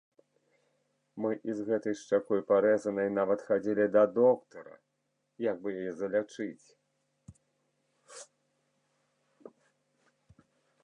Мы і з гэтай шчакой парэзанай нават хадзілі да доктара, як бы яе залячыць.